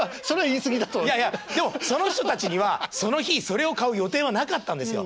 いやいやでもその人たちにはその日それを買う予定はなかったんですよ。